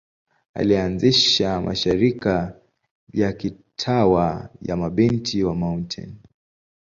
Alianzisha mashirika ya kitawa ya Mabinti wa Mt.